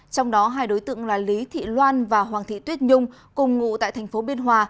trong đó hai đối tượng là lý thị loan và hoàng thị tuyết nhung cùng ngụ tại thành phố biên hòa